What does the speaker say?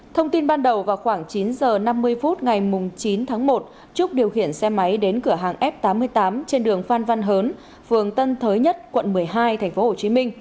thông tin ban đầu vào khoảng chín h năm mươi phút ngày chín tháng một trúc điều khiển xe máy đến cửa hàng f tám mươi tám trên đường phan văn hớn phường tân thới nhất quận một mươi hai tp hcm